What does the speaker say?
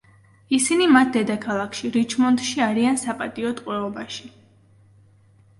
ისინი მათ დედაქალაქში, რიჩმონდში არიან საპატიო ტყვეობაში.